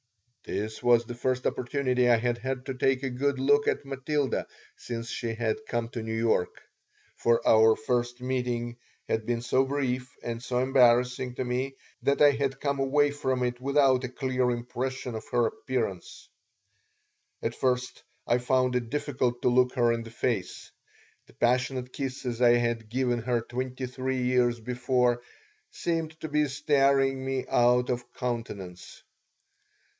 This was the first opportunity I had had to take a good look at Matilda since she had come to New York; for our first meeting had been so brief and so embarrassing to me that I had come away from it without a clear impression of her appearance At first I found it difficult to look her in the face. The passionate kisses I had given her twenty three years before seemed to be staring me out of countenance.